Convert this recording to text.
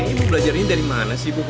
ibu belajarnya dari mana sih bu